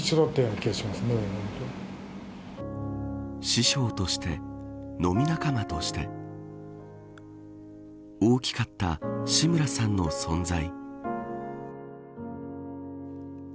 師匠として飲み仲間として大きかった志村さんの存在。